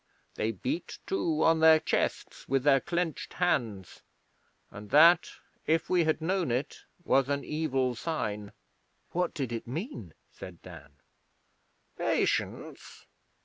They beat, too, on their chests with their clenched hands, and that, if we had known it, was an evil sign.' 'What did it mean?' said Dan. 'Patience.